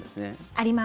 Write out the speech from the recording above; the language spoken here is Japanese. あります。